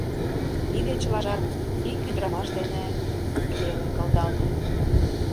Тиде чылажат ик ӱдырамаш дене веле кылдалтын...